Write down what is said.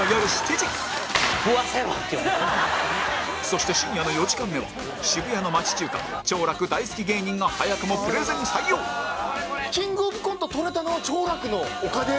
そして深夜の４時間目は渋谷の町中華兆楽大好き芸人が早くもプレゼン採用キングオブコントとれたのは兆楽のおかげ。